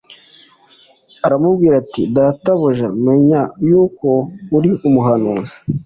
aramubwira ati, “Databuja, menye yuko uri umuhanuzi.